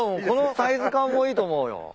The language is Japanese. このサイズ感もいいと思うよ。